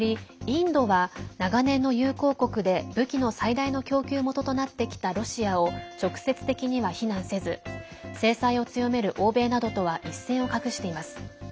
インドは長年の友好国で武器の最大の供給元となってきたロシアを直接的には非難せず制裁を強める欧米などとは一線を画しています。